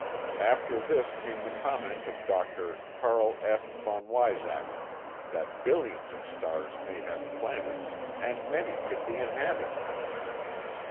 After this came the comment of Dr. Carl F. von Weizacker—that billions of stars may have planets, and many could be inhabited.